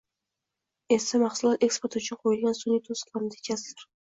esa mahsulot eksporti uchun qo‘yilgan sun’iy to‘siqlar natijasidir.